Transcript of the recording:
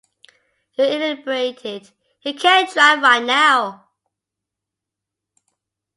You’re inebriated, you can’t drive right now